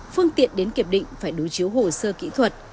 phương tiện đến kiểm định phải đối chiếu hồ sơ kỹ thuật